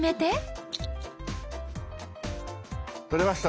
撮れました！